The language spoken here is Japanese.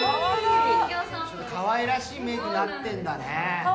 かわいらしいメイクになってるんだね。